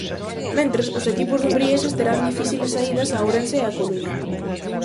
Mentres, os equipos dumbrieses terán difíciles saídas a Ourense e A Coruña.